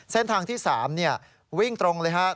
เส้นทางที่๓วิ่งตรงเลยครับ